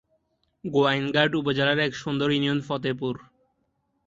গোয়াইনঘাট উপজেলার এক সুন্দর ইউনিয়ন ফতেপুর।